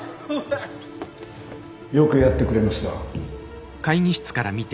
よくやってくれました。